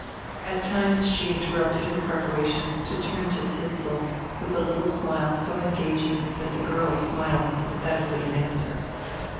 At times she interrupted her preparations to turn to Sidsall with a little smile so engaging that the girl smiled sympathetically in answer.